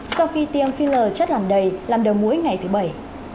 sau khi tiêm filler chất làm đầy làm đầu mũi ngày thứ bảy